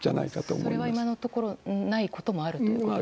それは、今のところないこともあるということですね。